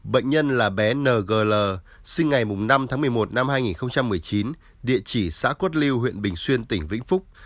bệnh nhân là bé ngl sinh ngày năm tháng một mươi một năm hai nghìn một mươi chín địa chỉ xã quất liêu huyện bình xuyên tỉnh vĩnh phúc